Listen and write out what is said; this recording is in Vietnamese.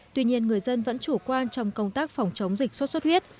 tuy nhiên người dân vẫn chủ quan trong công tác phòng chống dịch sốt xuất huyết